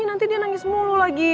nanti dia nangis mulu lagi